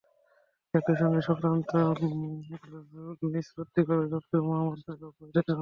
একই সঙ্গে এ-সংক্রান্ত রুল নিষ্পত্তি করে অধিদপ্তরের মহাপরিচালককে অব্যাহতি দেন আদালত।